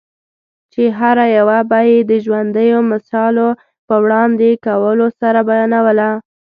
چي هره یوه به یې د ژوندییو مثالو په وړاندي کولو سره بیانوله؛